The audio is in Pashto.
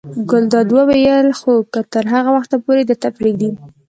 ګلداد وویل: خو که تر هغه وخته یې درته پرېږدي.